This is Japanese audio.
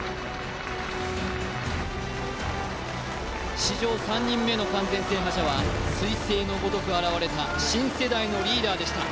史上３人目の完全制覇者はすい星のごとく現れた新世代のリーダーでした。